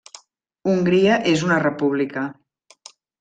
Hongria és una república.